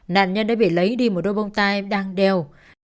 nạn nhân đã bị lấy đi một đôi bông tai đang đèo